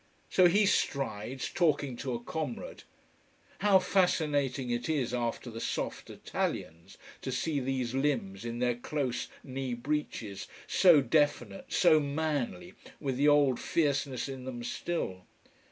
So he strides, talking to a comrade. How fascinating it is, after the soft Italians, to see these limbs in their close knee breeches, so definite, so manly, with the old fierceness in them still.